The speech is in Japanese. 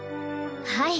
はい。